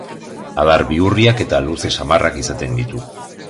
Adar bihurriak eta luze samarrak izaten ditu.